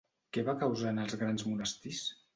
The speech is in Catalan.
Què va causar en els grans monestirs?